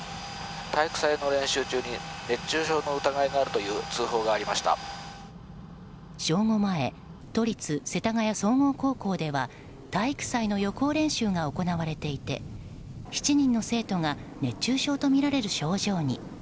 体育祭の練習中に熱中症の疑いがあるという正午前都立世田谷総合高校では体育祭の予行練習が行われていて７人の生徒が熱中症とみられる症状に。